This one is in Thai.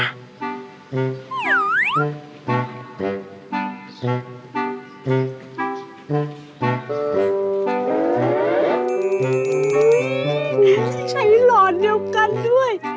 ใช้ร้อนเดียวกันด้วย